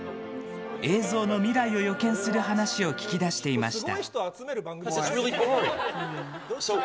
映像の未来を予見する話を聞き出していました。